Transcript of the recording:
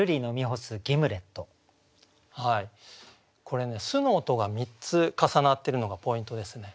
これね「す」の音が３つ重なってるのがポイントですね。